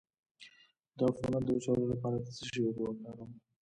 د عفونت د وچولو لپاره د څه شي اوبه وکاروم؟